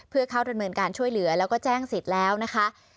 เพื่อเข้าดำเนินการช่วยเหลือแล้วก็แจ้งสิทธิ์แล้วนะคะ